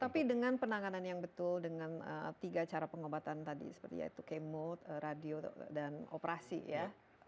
tapi dengan penanganan yang betul dengan tiga cara pengobatan tadi seperti yaitu kmote radio dan operasi ya